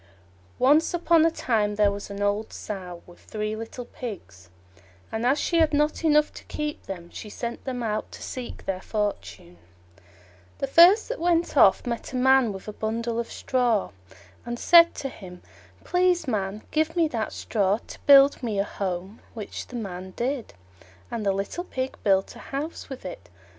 Once upon a time there was an old Sow with three little Pigs, and as she had not enough to keep them, she sent them out to seek their fortune. The first that went off met a Man with a bundle of straw, and said to him, "Please, Man, give me that straw to build me a house"; which the Man did, and the little Pig built a house with it.